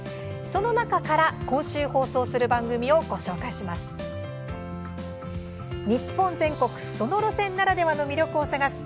その中から、今週放送する番組をご紹介します。